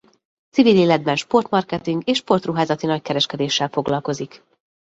Civil életben sport marketing és sportruházati-nagykereskedéssel foglalkozik.